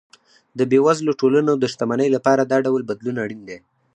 د بېوزلو ټولنو د شتمنۍ لپاره دا ډول بدلون اړین دی.